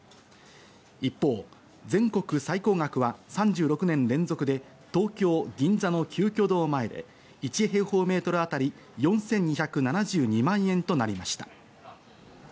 一方、全国最高額は３６年連続で東京・銀座の鳩居堂前で１平方メートルあたり４２７２万円となりました。